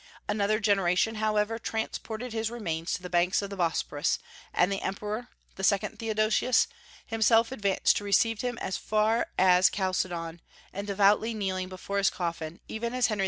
Another generation, however, transported his remains to the banks of the Bosporus, and the emperor the second Theodosius himself advanced to receive them as far as Chalcedon, and devoutly kneeling before his coffin, even as Henry II.